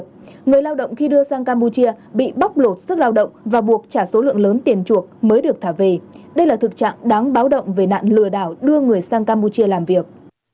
vì vậy người lao động khi đưa sang campuchia bị bóc lột sức lao động và buộc trả số lượng lớn tiền chuộc mới được thả về đây là thực trạng đáng báo động về nạn lừa đảo đưa người sang campuchia làm việc